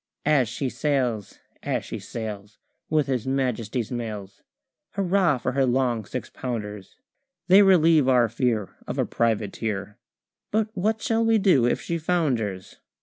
As she sails, as she sails With his Majesty's mails, Hurrah for her long six pounders! They relieve our fear Of a privateer, But what shall we do if she founders?